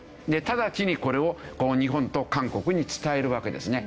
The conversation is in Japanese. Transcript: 直ちにこれを日本と韓国に伝えるわけですね。